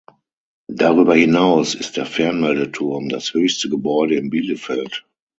Darüber hinaus ist der Fernmeldeturm das höchste Gebäude in Bielefeld.